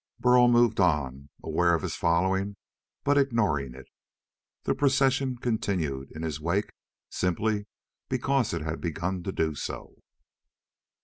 Burl moved on, aware of his following, but ignoring it. The procession continued in his wake simply because it had begun to do so.